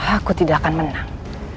aku tidak akan menang